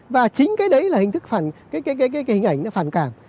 và chính cái đấy là hình ảnh phản cảng